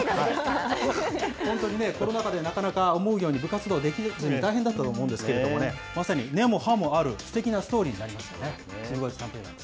本当にね、コロナ禍で、なかなか思うように部活動をできなくて大変だったと思うんですけれども、まさに根も葉もあるすてきなストーリーになりましたね。